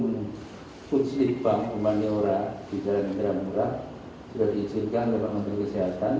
untuk dipakai nanti sebagai rumah sakit darurat